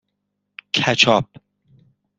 کچاپ